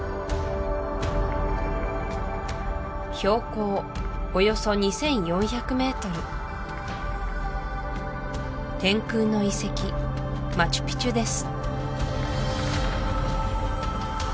標高およそ２４００ｍ天空の遺跡マチュピチュです